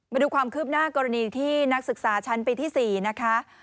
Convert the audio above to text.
มาดูความคืบหน้ากรณีที่นักศึกษาชั้นปีที่๔นะคะ